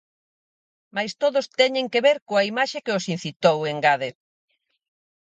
Mais todos teñen que ver coa imaxe que os incitou, engade.